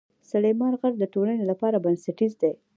سلیمان غر د ټولنې لپاره بنسټیز دی.